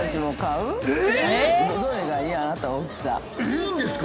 ◆いいんですか。